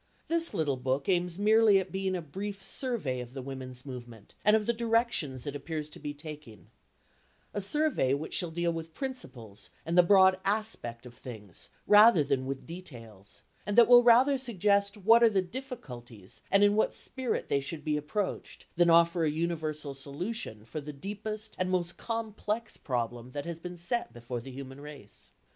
This little book aims merely at being a brief survey of the women's movement and of the directions it appears to be taking; a survey which shall deal with principles and the broad aspect of things rather than with details, and that will rather suggest what are the difficulties and in what spirit they should be approached, than offer a universal solution for the deepest and most complex problem that has been set before the human race.